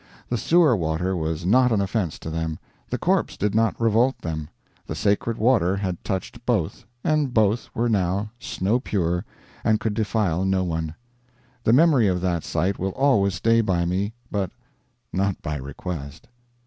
The sewer water was not an offence to them, the corpse did not revolt them; the sacred water had touched both, and both were now snow pure, and could defile no one. The memory of that sight will always stay by me; but not by request.